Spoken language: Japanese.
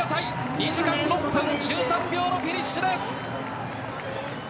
２時間６分１３秒のフィニッシュです。